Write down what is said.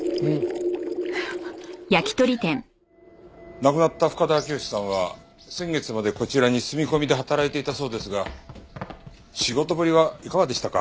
亡くなった深田明良さんは先月までこちらに住み込みで働いていたそうですが仕事ぶりはいかがでしたか？